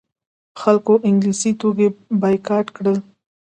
خلکو انګلیسي توکي بایکاټ کړل.